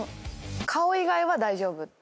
顔以外は大丈夫。